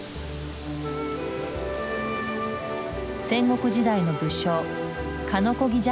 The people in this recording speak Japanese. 戦国時代の武将鹿子木寂